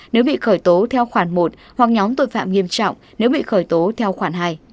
nếu bị khởi tố theo khoản một hoặc nhóm tội phạm nghiêm trọng nếu bị khởi tố theo khoản hai